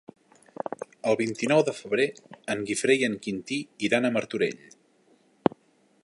El vint-i-nou de febrer en Guifré i en Quintí iran a Martorell.